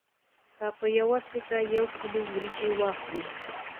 که په یوه سکه یو کیلو وریجې واخلو